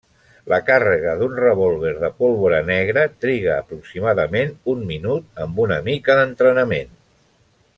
La càrrega d'un revòlver de pólvora negra triga aproximadament un minut amb una mica d'entrenament.